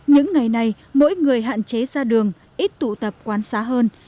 những ngày này mỗi người hạn chế ra đường ít tụ tập quan sát hơn